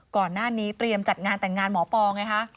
ก่อนหน้านี้เตรียมจัดงานแต่งงานหมอปอไงคะ